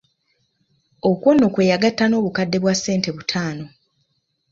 Okwo nno kwe yagatta n'obukadde bwa ssente butaano.